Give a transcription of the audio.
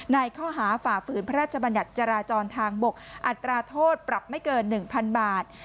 ข้อหาฝ่าฝืนพระราชบัญญัติจราจรทางบกอัตราโทษปรับไม่เกิน๑๐๐๐บาท